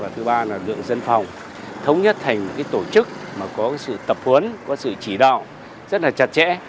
thứ ba là lượng dân phòng thống nhất thành tổ chức mà có sự tập huấn có sự chỉ đạo rất là chặt chẽ